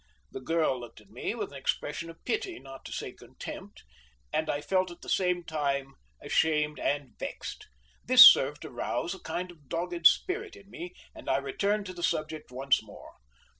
The girl looked at me with an expression of pity, not to say contempt, and I felt at the same time ashamed and vexed. This served to rouse a kind of dogged spirit in me, and I returned to the subject once more.